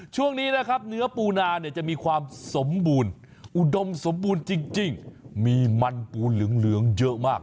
ช่วงนี้นะครับเนื้อปูนาเนี่ยจะมีความสมบูรณ์อุดมสมบูรณ์จริงมีมันปูเหลืองเยอะมาก